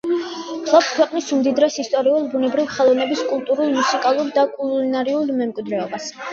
ფლობს ქვეყნის უმდიდრეს ისტორიულ, ბუნებრივ, ხელოვნების, კულტურულ, მუსიკალურ და კულინარიულ მემკვიდრეობას.